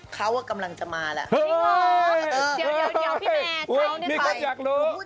เขากำลังจะมาแล้ว